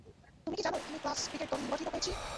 তুমি কি জানো, আমি ক্লাস ক্রিকেট দলে নির্বাচিত হয়েছি?